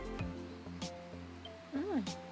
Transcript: うん。